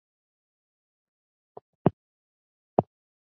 Sunken vessels were not blocking the channel.